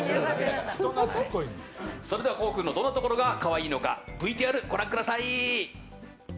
それでは、ココ君のどんなところが可愛いのかＶＴＲ、ご覧ください。